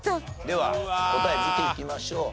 では答え見ていきましょう。